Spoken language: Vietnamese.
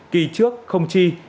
kỳ trước không tri